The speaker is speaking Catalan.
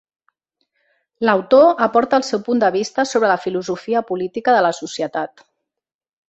L'autor aporta el seu punt de vista sobre la filosofia política de la societat.